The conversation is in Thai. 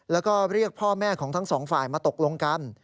แล้วก็เรียกพ่อแม่ของทั้งสองฝ่ายมาตกลงกัน